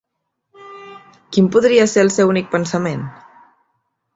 Quin podria ser el seu únic pensament?